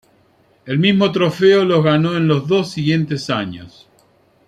El mismo trofeo los ganó en los dos siguientes años.